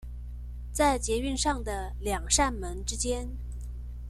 在捷運上的兩扇門之間